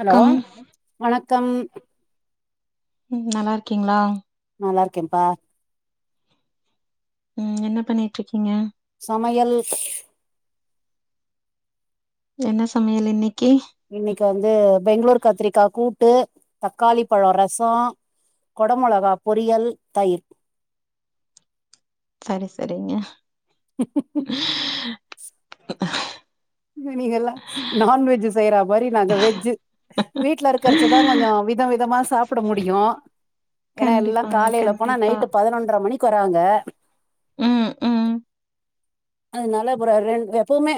Hello வணக்கம் ம் நல்லா இருக்கீங்களா நல்லா இருக்கேன்ப்பா ம் என்ன பண்ணிட்டு இருக்கீங்க சமையல் ஸ் என்ன சமயல் இன்னைக்கி இன்னைக்கு வந்து பெங்களூர் கத்திரிக்கா கூட்டு தக்காளி பழ ரசோ கொடமொளகா பொறியல் தயிர் சரி சரிங்க [inaudible] [inaudible] நீங்க எல்லா நான் வெஜ்ஜு செய்யற மாரி நாங்க வெஜ்ஜு வீட்ல இருக்கரச்சதா நாங்க வித விதமா சாப்புட முடியு ஏன்னா எல்லா கண்டிப்பாங்க காலயில போனா கண்டிப்பா நைட்டு பதினொன்றரை மணிக்கு வராங்க ம் ம் அதனால [unintelligible] எப்பவுமே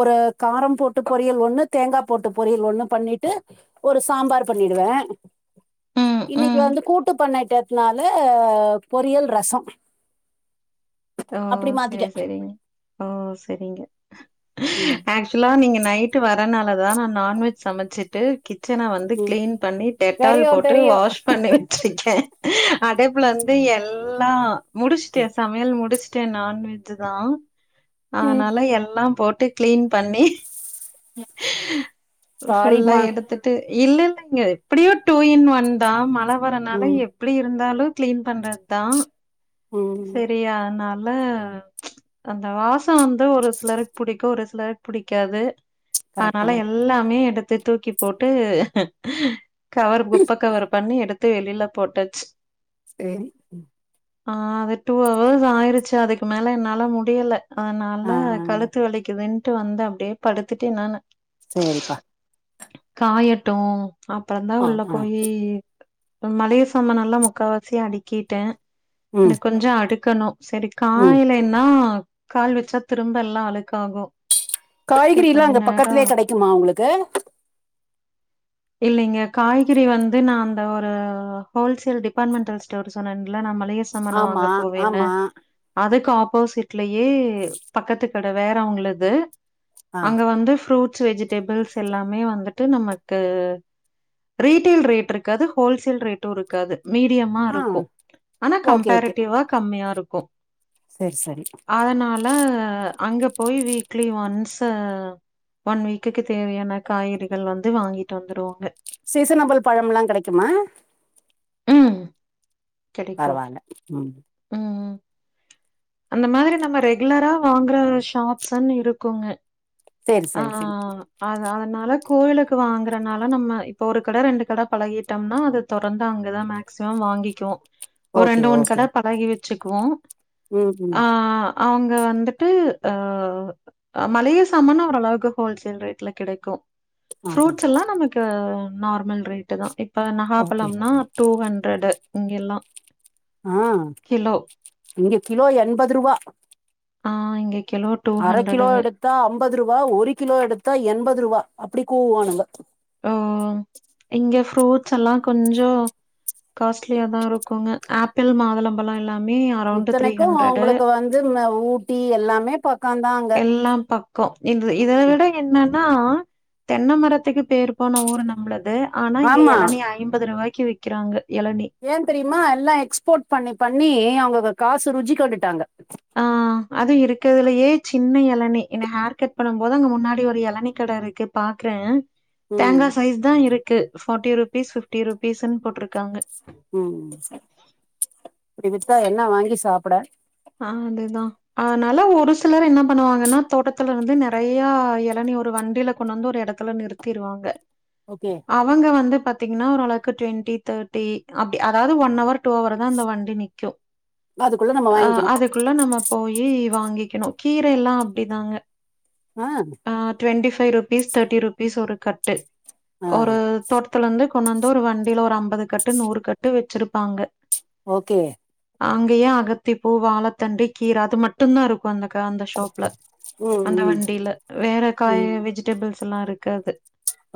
ஒரு காரம் போட்டு பொரியல் ஒண்ணு தேங்கா போட்டு பொரியல் ஒண்ணு பண்ணிட்டு ஒரு சாம்பார் பண்ணிடுவே ம் இன்னைக்கு ம் வந்து கூட்டு பண்ணிட்டதுனால பொரியல் ரசொ ஓ செரி மாத்திட்டே செரிங்க ஓ செரிங்க ம் ஆக் சுல்லா நீங்க நைட்டு வரனாலதா நா நான்வெஜ் சமச்சிட்டு கிச்சன வந்து ம் கிளீன் பண்ணி டெட்டால் தெரியு போட்டு தெரியு வாஷ் பண்ணி வச்சிருக்கே அதேப்புல வந்து எல்லா முடிஷ்ட்டே சமயல் முடு ஷ்டே நான்வஜ்ஜிதா ம் அதனால எல்லா போட்டு க்ளீன் பண்ணி ஃபுல்லா சாரிம்மா எடுத்து டு இல்ல இல்லங்க எப்புடியு டூ இன் ஒன் தா மழ வரனால ம் எப் ப்புடி இருந்தாலு க்ளீன் பண்றத்தா ம் செரி அத்னால அந்த வாச வந்து ஒரு சிலருக்கு புடிக்கு ஒரு சிலருக் புடிக்காது கரெக்ட்டு அதனால தா எல்லாமே எடுத்து தூக்கி போட்டு கவர் குப்ப கவர் பண்ணி எடுத்து வெளில போட்டச் சேரி ஆ அதே டூ ஹவர்ஸ் ஆய்ருச்சு அதுக்கு மேல என்னால முடியல அதனால ஆ ஆ கழுத்து வளிக்கிதுன்ட்டு வந்து அப்டே படுத்துட்டே நானு சேரிப்பா காயட்டு அப்புற்ந்தா ஆ உள்ள ஆ போயி மளிய சமா நல்லா முக்காவாசி அடிக்கிட்ட ம் கொஞ்ச அடுக்கணு செரி ம் காயலேன்னா கால் வெச்சா திரும்ப எல்லா அழுக்காகு செரி காய்கறில்லா கொஞ்ச அங்க நேரோ பக்கத்துலே கடைக்குமா உங்ளுக்கு இல்லைங்க காய்கறி வந்து நா அந்த ஒரு ஹோல்சேல் டிபார்ட்மெண்டல் ஸ்டோர் சொன்னேன்ங்ளா நா மளி சமன்ன ஆமா வாங்க போவேன்னு ஆமா அதுக்கு ஆப்போசிட்லயே பக்கத்துக்கட வேறவுங்ளுது ஆ அங்க வந்து ஃப்ரூட்ஸ் வெஜிடபிள்ஸ் எல்லாமே வந்துட்டு நமக்கு ரீட்டெல் ரேட் இருக்காது ஹோல்சேல் ரேட்டு இருக்காது மீடியம்மா ஆ இருக்கு ஆனா கம் ஓகே வா கம்மியா இருக்கு சேர் சரி அதனால அங்க போய் வீக்லி ஒன்ஸு ஒன் வீக்குக்கு தேவயான காய்கறிகள் வந்து வாங்கிட்டு வந்துருவாங்க சீசனபுள் பழம்ல்லா கடைக்குமா ம் கிடைக்கும். பரவால்ல ம் ம். அந்த மாதுரி நம்ம ரெகுலரா வாங்குற ஒரு ஷாப்ஸ்ன்னு இருக்குங்க சேரி சரி சரி அத அதனால கோயிலுக்கு வாங்குறனால நம்ம இப்ப ஒரு கட ரெண்டு கட பழகிட்டம்னா அது தொறந்து அங்கதா மேக்சிமம் வாங்கிக்குவோ ஒரு ஓகே ரெண்டு ஒண் ஓகே கட பழகி வெச்சிக்வோ ம் ஹு அ அவுங்க வந்துட்டு அ மளிக சாமான்னா ஓரளவுக்கு ஹோல்சேல் ரேட்ல கெடைக்கு ஆ ஆ ஃப்ரூட்ஸ் எல்லா நமக்கு நார்மல் ரேட்டு தா இப்ப ஓகே நகாப்பழம்னா டூ ஹண்ரட்டு இங்க எல்லா ஆ இங்க கிலோ என்பதுருபா ஆ இங்க கலேட் அர கிலோ எடுத்தா அம்பது ருபா ஒரு கிலோ எடுத்தா எண்பது ருவா அப்டி கூவுவானுங்க உ இங்க ஃப்ரூட்ஸ் எல்லா கொஞ்சோ காஸ்ட்லியா தா இருக்குங்க ஆப்பிள் மாதுளம் பழம் எல்லாமே அரௌண்ட் த்ரீ ஹண்ட்ரடு இது மா ஊட்டி எல்லாமே பக்கத் எல்லாம் பக்கோ இந்த இத ம். விட என்னன்னா தென்மரத்துக்கு பேரு போன ஊரு நம்மளது ஆனா இங்க ஆமா எளநீ ஐம்பது ரூபாய்க்கு விக்கிறாங்க எளநீ ஏ தெரிமா எல்லா எக்ஸ்போர்ட் பண்ணி பண்ணி அவுங்க காசு ருஜி கண்டுட்டாங்க ஆ அது இருக்கறதுலேயே சின்ன இளநீ என்ன ஹேர் கட் பண்ணும் போது அங்க முன்னாடி ஒரு இளநீ கட இருக்கு பாக்ற ம் தேங்கா சைஸ் தா இருக்கு ஃபார்ட்டி ருபீஸ் ஃபிப்டி ருபீஸ்ன் போட்டிருக்காங்க ம் இப்டி வித்தா என்ன வாங்கி சாப்ட அ அதுதா அதனால ஒரு சிலர் என்ன பண்ணுவாங்கன்னா தோட்டத்துல இருந்து நெறைய எளநீ ஒரு வண்டில கொண்னு வந்து ஒரு எடத் த்துல நிறுத்திருவாங்க ஓகே அவுங்க வந்து பாத்தீங்னா ஒரளவுக்கு டூவென்டி தேர்ட்டி அப்டி அதாது ஒன் ஹவர் டூ ஹவர் தா அந்த வண்டி நிக்கோ அதுகுள்ள நாம்ம அ அதுகுள்ள நம்ம போயி வாங்கிக்கணு கீர எல்லா அப்டிதாங்க ஆ ஆ twenty five rupees thirty rupees ஒரு கட்டு ஆ ஒரு தோட்டத்துலந்து கொண்னு வந்து ஒரு வண்டில ஒரு அம்பது கட்டு நூறு கட்டு வெச்சிருப்பாங்க ஓகே அங்கேயு அகத்தி பூ வாழத்தண்டு கீர அது மட் மட்டோ தா இருக்கோ அந்த ஷாப்ல ம் அந்த ம் வண்டில வேற காயி ம் வெஜி டேபிள்ஸ்லா இருக்காது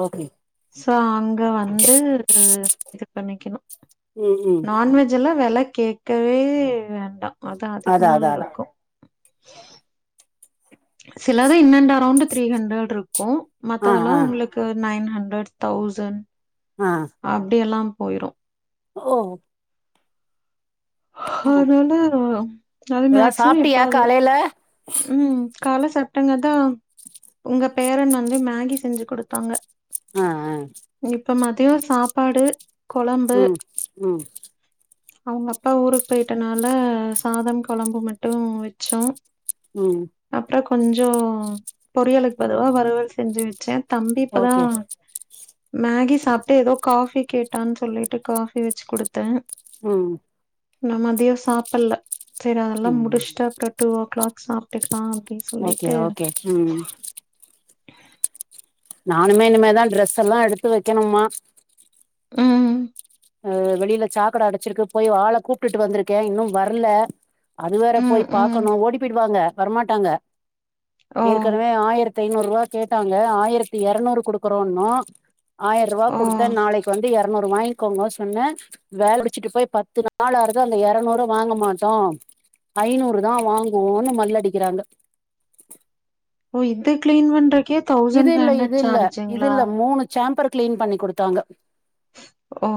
ஓகே சோ அங்க வந்து இது இது பண்ணிக்கணோ ம் ம் நான்வெஜ் எல்லா வேள கேக்கவே வேண்டா அது அதுக்கு அதான் மேல அதான் அதான் இருக்கோ சிலது in and round three hundred இருக்கு ஆ மத்ததெல்லா ஆ உங்களுக் கு நைன் ஹண்டரட் தௌசண் ஆ அப்டியெல்லா போயிரோ ஓ ம். அதனால அது ஏதாவது மேக்சிமம் சாப்பிட்டியா எப்பாது காலையில ம் கால்ல சாப்டங்க அத்தா ஜல் உங்க பேரன் வந்து மேகி செஞ்சி குடுத்தாங்க ஆ ஆ இப்போ மதியோ சாப்பாடு கொழம்பு ம் ம் அவுங்க அப்பா ஊருக்கு போயிட்டனாலா சாதம் கொழம்பு மட்டும் வெச்சோ ம் அப்றோ கொஞ்சோ பொரியலுக்கு பதுலா வருவல் செஞ்சி வெச்ச தம்பி இப்பதா ஓகே மேகி சாப்ட்டு ஏதோ காஃபி கேட்டான் சொல்லிட்டு காஃபி வெச்சி குடுத்த ம் நா மதியோ சாப்பல்ல சைரி அதெல்லா ம் முடிஷ்டா கட்டுவோ கிளாக்ஸ்ஸா கட்டில்லா அப்டி ஓக்கே ஓக்கே ம் நானுமே இனிமேதா டிரெஸ்ல்லா எடுத்து வக்கணுமா ம் அஹ் வெளில சாக்கட அடைச்சிருக்கு போய் ஆள கூப்ட்டுட்டு வந்திருக்கே இன்னு வரல அது வேற ம். போய் ம். பாக்கனோ ஓடி போய்டுவாங்க வரமாட்டாங்க ஓ! ஏற்கனவே ஆயிர த்தை நூறு ரூவா கேட்டாங்க ஆயிரத்தி எரநூறு குடுக்குறோன்னோ ஆயர்ருவா ஓ! குடுத்தே நாளைக்கு வந்து எரநூறு வாய்ங் க்கோ சொன்னே வேல முடிசுட்டு போய் பத்து நாள் ஆறது அந்த எரநூறு வாங்க மாட்டோ ஐநூறு தா வாங்குவோன்னு மல்லு அடிக்கிறாங்க ஓ இத்த கிளீன் பண்றக் இது இல்ல இது இல்ல இது இல்ல மூணு சாம்பர் கிளீன் பண்ணி குடுத்தாங்க ஓ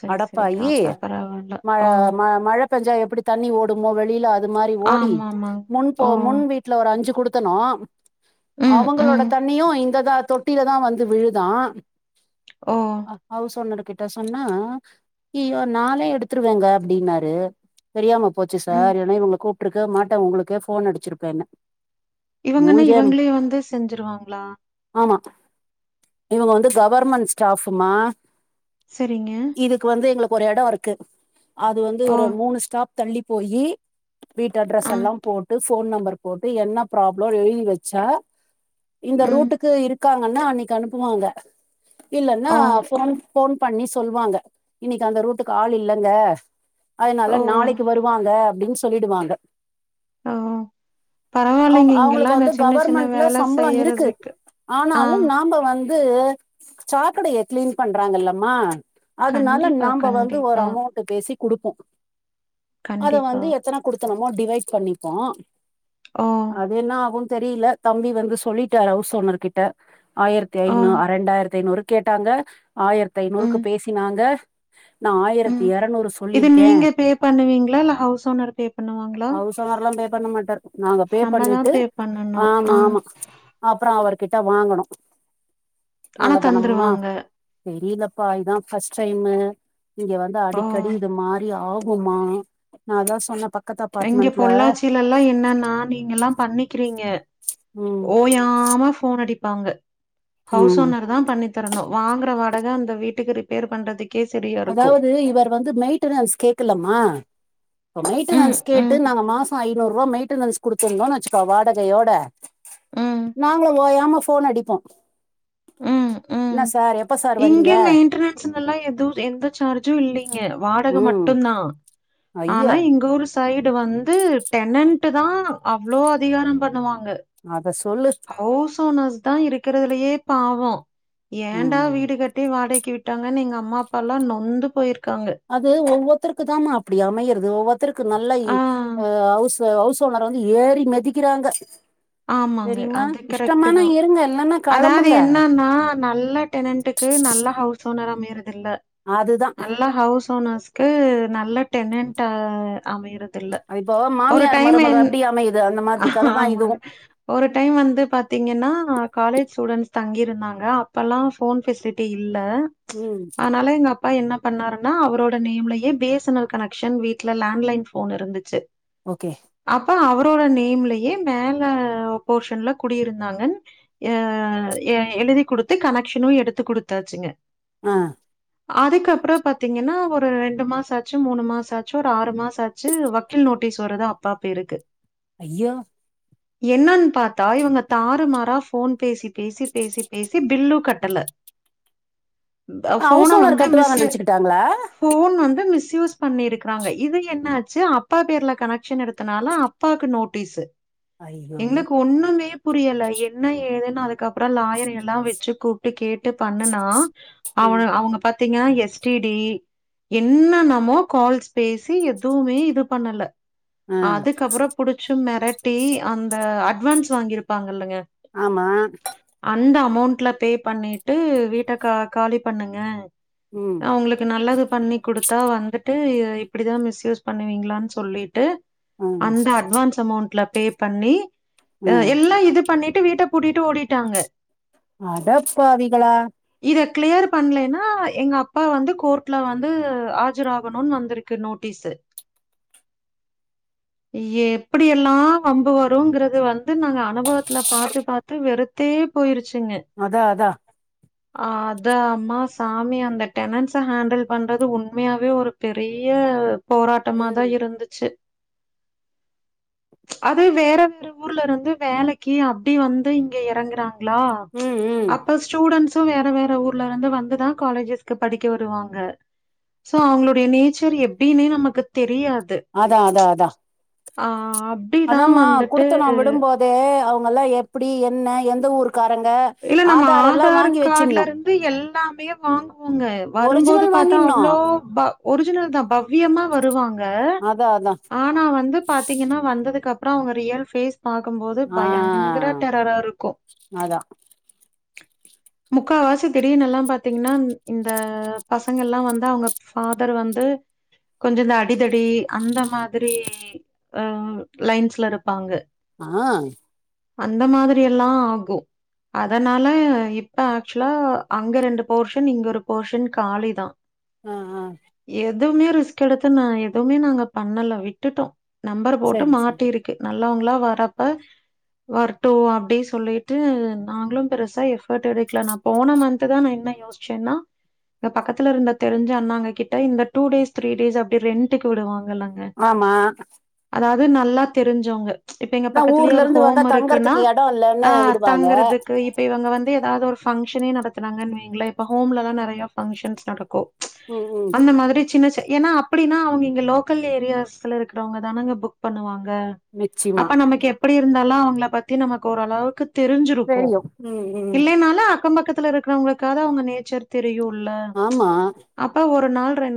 சரி சரிங்க அடப்பாயி அப்ப பரவால்ல ம ஓ மழ மழ பேஞ்சா எப்டி தண்ணி ஓடுமோ வெளில அது மாரி ஓடி ஆமாமாங் முன் போ ஓ முன் வீட் ல ஒரு அஞ்சு குடுத்தனோ ம் அவுங்களோட ம் து இந்ததா தொட்டிலா தா வந்து விழுதா ஓ ஹவுஸ் ஓனரு கிட்ட சொன்னா ய்யோ நாளே எடுத்துருவேங்க அப்டின்னாரு தெரியாம போச்சு ம் சார் ஏனா இவுங்களை கூப்ருக்கவே மாட்டே உங்களுக்கே ஃபோன் அடிச்சிருப்பேனே இவுங்கனா இவுங்களே வந்து செஞ்சிருவாங்களா ஆமா இவுங்க வந்து கவர்மெண்ட் ஸ்டாஃப்மா செரிங்க இதுக்கு வந்து எங்களுக்கு ஒரு எடோ இருக்கு அது வந்து ஓ ஒரு மூணு ஸ்டாப் தள்ளி போயி வீட்டு அட்ரஸ் ஆ எல்லா போட்டு ஃபோன் நம்பர் போட்டு என்ன ப்ராப்ளம் எழுதி வச்சா இந்த ம் ரூட்டுக்கு இருக்காங்கன்னா அன்னைக்கி அனுப்புவாங்க இல்லன்னா ஓ ஃபோன் ஃபோன் பண்ணி சொல்லுவாங்க இன்னைக்கி அந்த ரூட்டுக்கு ஆள் இல்லங்க அதனால ஓ நாளைக்கு வருவாங்க அப்டின்னு சொல்லிடுவாங்க ஓ அவுங்க பரவால்லைங்க இங்கெல்லா அவுங்களுக்கு இந்த வந்து சின்ன சின்ன கவர்மெண்ட்ல வேல சம்பளோ ர் இருக்கு செய்யறதுக்கு ஆ ஆனாலு நாம வந் து சாக்கடைய கிளீன் பண்றாங்கல்லம்மா அதனால கண்டிப்பா நாம வந்து ஒரு கண்டிப்பா அமௌண்ட் டு பேசி குடுப்போ அது கண்டிப்பா வந்து எத்தன குடுத்தனமோ டிவைட் பண்ணிப்போ ஓ அது என்ன ஆகுனு தெரில தம்பி வந்து சொல்லிட்டாரு ஹவுஸ் ஓனர் கிட்ட ஆயிரத்தி ஓ ஐநூறு அ ரெண்டாயிரத்தி ஐநூறு கேட்டாங்க ஆயிரத்தி ஐநூறுக்கு ம் பேசினாங்க நா ஆயிரத்தி ம் எரநூறு இது சொல்லியிருக்கே நீங்க பே பண்ணுவீங்களா இல்லா ஹவுஸ் ஓனர் பே பண்ணுவாங்களா அவரு சொன்னார்லா பே பண்ண மாட்டாரு நாங்க பே நம்மதா பே பண்ணணு ஆ அப்பறோ அவர்கிட்ட வாங்கணு ஆனா நல்லா தனம்மா தந்துருவாங்க. தெரியலப்பா இதா ஃபஸ்ட்டு டைமு இங்க வந்து ஓ! அடிக்கடி இது மாரி ஆகுமா நா அதா சொன்னே பக் எங்க பொள்ளாச்சில ல்லா என்னன்னா நீங்க எல்லா பண்ணிக்கிறீங்க ம் ஓயாம ஃபோன் அடிப்பாங்க ஹவுஸ் ம் ஓனர் தா பண்ணி தரணு வாங்குற வாடகை அந்த வீட்டுக்கு ரிப்பேர் பண்றதுக் அதாவ்து இவர் வந்து மெய்டனன்ஸ் கேக்கலமா இப்ப ம், மெயின்ட்டனன்ஸ் கேட்டு ம், நாங்க மாசோ ஐநூறு ரூபா மெய் ட்டனன்ஸ் குடுத்துந்தோனு வச்சுக்கோ வாடகையோட ம், நாங்களு ஓயாம ஃபோன் அடிப்போ ம், என்ன சார் எப்போ சார் வரீங்க பசங்கலா எதுவும் எந்த சார்ஜும் இல்லிங் க வாடக ம் மட்டுதா ஆனா ஐயோ எங்க ஊரு சைடு வந்து டெனன்ட் தா அவ்ளோ அதிகார பண்ணுவாங்க அத சொல்லு ஹவுஸ் ஓனார்ஸ் தா இருக்குறதுலயே பாவ ஏண்டா ம் வீடு கட் எப்டி வாடகைக்கு விட்டாங்கன்னு எங்க அம்மா அப்பால்லா நொந்து போயிருக்காங்க அது ஒவ்வத்தருக்கு தாமா அப்டி அமையறது ஒவ்வருத்தருக்கு நல்ல இ ஆ. ஹவுஸ் ஹவுஸ் ஓனர் வந்து ஏறி மெதிக்கிறாங்க ஆமாங்க. தெரிமா அது கரெக்ட்டு இஷ்டமானா தான். இருங்க இல்லன்னா அதாவது களம்புங்க என்னன்னா, நல்ல டெனன்ட்க்கு நல்ல ஹவுஸ் ஓனர் அமயறது இல்ல அதுதா நல்ல ஹவுஸ் ஓனர்ஸ் க்கு நல்ல டெனன்ட் அ அமையறது இல்ல இப்போ ஒரு மாமியார் டைம் மருமக என் அப்டி அமையுது அந்த மாதிரி கத தா இதுவு ஆமாங்க ஒரு டைம் வந்து பாத்தீங்கன்னா காலேஜ் ஸ்டூடெண்ட்ஸ் தங்கிருந்தாங்க அப்பல்லா போன் பேசிட் அப்டி இல்ல ம் அதுனால எங்க அப்பா என்ன பண்ணாருன்னா அவரோட நேம்லயே B S N L connection வீட்டில லண்ட்லைன் ஃபோன் இருந்துச்சு ஓகே அப்ப அவரோட நேம்லயே மேல போர்ஷன்ல குடியிருந்தாங்க அ எழுதி கொடுத்து கனெக்ஷனு எடுத்து கொடுத்தாச்சுங்க ஆ அதுக்கப்பற பாத்தீங்கன்னா ஒரு ரெண்டு மாச ஆச்சு மூணு மாச ஆச்சு ஒரு ஆறு மாச ஆ ச்சு வக்கீல் நோட்டீஸ் வருது அப்பா பேருக்கு ஐயோ என்னன்னு பார்த்தா இவங்க தாறு மாறா போன் பேசி பேசி பேசி பேசி பில்லு கட்டல ஃபோன்ன ஹவுஸ் ஓனர் வந்து கட்டுவாங்க பிசிய நெனச்சுக்கிட்டாங்களா ஃபோன் வந்து மிஸ்யூஸ் பண்ணியிருக்காங்க இது என்னாச்சு அப்பா பேருல்ல கனக்ஷன் எடுத்தனால அப் அப்பாக்கு நோட்டீஸ் ஐயோ எங்களுக்கு ஒண்ணுமே புரியல என்ன ஏதுன்னு அதுக்கப்பற லாயர எல்லா வச்சு கூப் கூப்ட்டு கேட்டு பண்ணுனா ம் அவுனுங்க அவங்க பாத்தீங்க எஸ்டிடி என்னன்னமோ கால்ஸ் பேசி எதுமே இது பண்ல ஆ அதுக்கப்பற புடிச்சு மிரட்டி அந்த அட்வான்ஸ் வாங்கி இருப்பாங்க இல்லங்க ஆமா அந்த அமௌண்ட்ல பே பண்ணிட்டு வீட்ட கா காலி பண்ணுங்க ம் அவங்களுக்கு நல்லது பண்ணி குடுத்து தா வந்துட்டு இ இப்டிதா மிஸ்யூஸ் பண்ணுவீங்களான்னு சொல்லிட்டு ம் அந்த அட்வான்ஸ் அமௌண்ட்ல பே பண்ணி அ ம் எல்லா இது பண்ணிட்டு வீட்ட பூட்டிட்டு ஓடிட்டாங்க அடப்பாவிகளா இத கிளியர் பண்ணலன்னா எங்க அப்பா வந்து கோர்ட்ல வந்து ஆஜராகன்னு வந்திருக்கு து நோட்டீஸ் [inaudible] ஏ எப்டி எல்லா அம்பு வருங்கறது வந்து நாங்க அனுபவத்துல்ல பாத்து பாத்து வெறுத்தே போயிருச்சுங்க அதா அதா அதா அம்மா சாமி அந்த டெனன்ஸ ஹேண்டில் பண்றது உண்மையாவே ஒரு பெரிய ம் போராட்டமாதா இருந்துச்சு அது வேற வேற ஒரு ஊர்ல இருந்து வேலைக்கு அப்டி வந்து இங்க இறங்குறாங்க ங்ளா ம் ம் அப் இப்ப ஸ்டூடண்ட்ஸு வேற வேற ஊர்ல இருந்து வந்துதா காலேஜஸ்கு படிக்க வருவாங்க சோ அவங்களுடைய நேச்சர் எப்டின்னே நமக்கு தெரியாது அதா அதா அதா ஆ அப் அதாம்மா குடுத்தணு விடும்போதே அவங்கெல்லா எப்டி என்ன எந்த ஊருக்காரங்க இல்ல நம்ம எல்லாம் ஆதார் வாங்கி கார்டுல வச்சிடணும் இருந்து எல்லாமே வாங்குவோங்க வரும்போது ஒரிஜினல் பாத்தா வாங்கிடணும் அவ்ளோ ப ஒரிஜினல்தா பவ்யமா வருவாங்க அதான் அதான் ஆனா வந்து பாத்தீங்கன்னா வந்ததுக்கு அப்புற அவங்க ரியல் ஃபேஸ் பாக்கம்போது பயங்கர டெரரா இருக்கு அதா முக்காவாசி திடீர்னு எல்லா பாத்தீங்கன்னா இந்த பசங்க எல்லா வந்து அவங்க ஃபாதர் வந்து கொஞ்ச இந்த அடிதடி அந்த மாதிரி அ லைன்ஸ்ல இருப்பாங்க ஆ அந்த மாதிரி எல்லா ஆகு அதனால இப்ப ஆக்சுவலா அங்க ரெண்டு போர்ஷன் இங்க ஒரு போர்ஷன் காலிதா ஆ ஆ எதுமே ரிஸ்க் எடத்து ந எதுமே நாங்க பண்ணல விட்டுட்டோ நம்பர் போட்டு சரி மாட்டி சரி இருக் கு நல்லவங்களா வரப்ப வர்ட்டு அப்டி சொல்லிட்டு நாங்ளு பெருசா எஃபர்ட் எடுக்ல நா போன மன்த்துதா நா என்ன யோச்சேன்னா இங்க பக்கத்துல இருந்த தெரிஞ்ச அண்ணாங்க கிட்ட இந்த டூ டேஸ் த்ரீ டேஸ் அப்டி ரென்ட்க்கு விடுவாங்கல்லாங்க ஆமா அதாது நல்லா தெரிஞ்சவங்க இப்ப எங்க அதான் பக்கத்லயே ஊர்ல ஒரு இருந்து வந்தா ஹோம் இருக்குன்னா தங்கறதுக்கு இடம் இல்லைன்னு ஆ விடுவாங்க தங்றது இப்ப இவங்க வந்து ஏதாவது ஒரு பங்க்ஷனே நடத்துனாங்கன்னு வைங்ளே இப்ப ஹோம்ல்லலா நெறைய பங்க்ஷன்ஸ் நடக்கு ம் ம் அந்த மாதிரி சின்ன சின் ஏன்னா அப் டின்னா அவங்க இங்க லோக்கல் ஏரியாஸ்ல இருக்கிறவங்க தானங்க புக் பண்ணுவாங்க நிச்சயமா அப்ப நமக்கு எப் எப்டி இருந்தாலு அவங்கள பத்தி நமக்கு ஓரளவுக்கு தெரிஞ்சிருக்கு தெரியும் ம் ம் இல்லைனாலு அக்கம் பக்கத்துல இருக்கறவங்களுக்காவ அவங்க நேச்சர் தெரியுல்ல ஆமா அப்ப ஒரு நாள் ரெண்